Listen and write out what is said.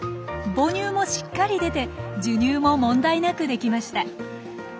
母乳もしっかり出て授乳も問題なくできました。